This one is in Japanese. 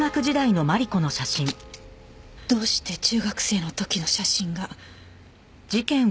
どうして中学生の時の写真が。